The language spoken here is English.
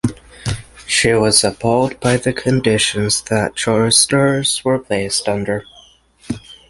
She was appalled by the conditions that choristers were placed under.